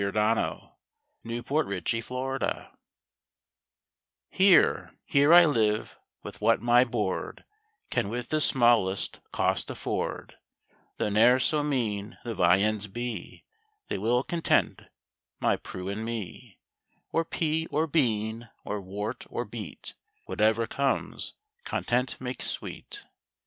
HIS CONTENT IN THE COUNTRY HERE, Here I live with what my board Can with the smallest cost afford; Though ne'er so mean the viands be, They well content my Prue and me: Or pea or bean, or wort or beet, Whatever comes, Content makes sweet.